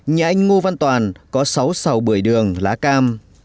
nhà anh ngô văn toàn có sáu sào bưởi đường lá cam